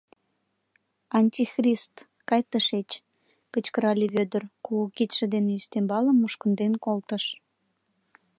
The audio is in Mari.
— Антихрист, кай тышеч! — кычкырале Вӧдыр, кугу кидше дене ӱстембалым мушкынден колтыш.